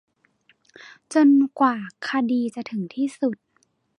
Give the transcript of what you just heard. จนกว่าคดีจะถึงที่สุด